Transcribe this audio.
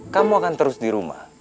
kamu akan terus di rumah